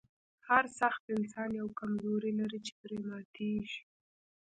هر سخت انسان یوه کمزوري لري چې پرې ماتیږي